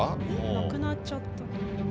なくなっちゃった。